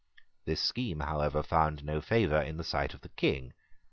The scheme, however, found no favour in the sight of the King.